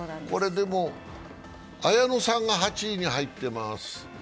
これでも綾乃さんが８位に入ってます。